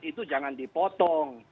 kalimat itu jangan dipotong